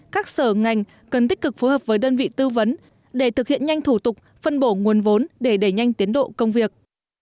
các sở ngành cần tích cực phối hợp với đơn vị tư vấn để thực hiện nhanh thủ tục phân bổ nguồn vốn để đẩy nhanh tiến độ công việc